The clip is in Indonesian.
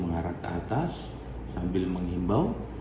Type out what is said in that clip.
mengarah ke atas sambil menghimbau